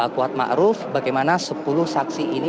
kuat ma'ruf bagaimana sepuluh saksi ini